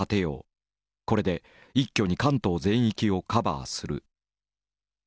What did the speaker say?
これで一挙に関東全域をカバーする」。